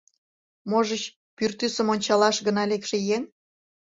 Можыч, пӱртӱсым ончалаш гына лекше еҥ?